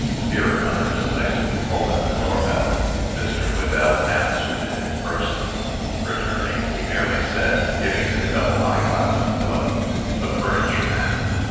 Here another decisive pull at the door bell. Mr. Whedell answered it in person. Returning, he merely said, giving his double eyeglass a fillip, "The furniture man.